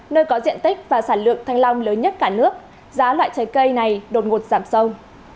nơi có diện tích và sản lượng thanh long lớn nhất cả nước giá loại trái cây này đột ngột giảm sâu